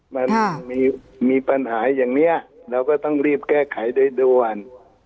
มันมีปัญหาอย่างนี้เราก็ต้องรีบแก้ไขโดยด่วน